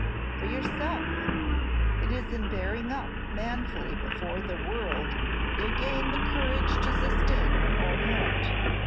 "For yourself! It is in bearing up manfully before the world you'll gain the courage to sustain your own heart.